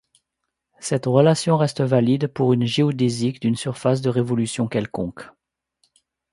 Cette relation reste valide pour une géodésique d'une surface de révolution quelconque.